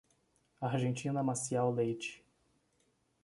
Argentina Maciel Leite